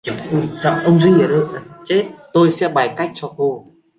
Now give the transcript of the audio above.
Tôi sẽ bày cách cho cô